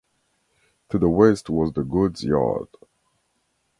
To the west was the goods yard.